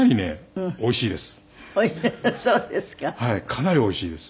かなりおいしいです。